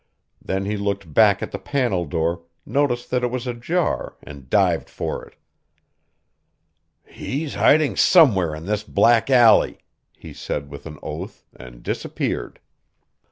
Then he looked back at the panel door, noticed that it was ajar and dived for it. "He's hiding somewhere in this black alley," he said with an oath, and disappeared.